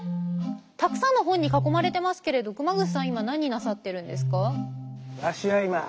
たくさんの本に囲まれてますけれど熊楠さん今何なさってるんですか？